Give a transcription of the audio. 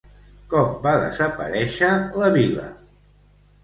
Com va desaparèixer la vila?